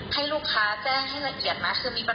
ให้ลูกค้าแจ้งให้ละเอียดนะคือมีปัญหาอะไรให้สอบถามได้เลย